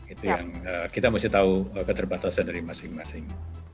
itu yang kita mesti tahu keterbatasan dari masing masing